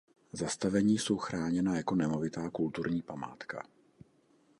Zastavení jsou chráněna jako nemovitá kulturní památka.